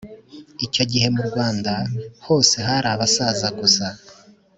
Icyo gihe mu Rwanda hose hari abasaza gusa